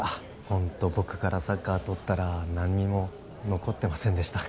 ホント僕からサッカー取ったら何にも残ってませんでした